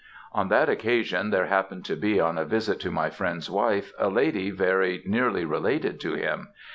On that occasion there happened to be on a visit to my friend's wife, a lady very nearly related to him.